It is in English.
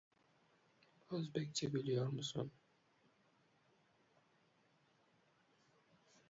This is because the distribution of mercury in its atmosphere is not uniform.